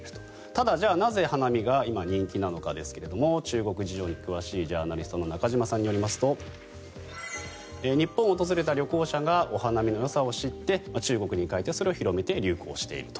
ただ、じゃあなぜ花見が今人気なのかですが中国事情に詳しいジャーナリストの中島さんによりますと日本を訪れた旅行者がお花見のよさを知って中国に帰ってそれを広めて流行していると。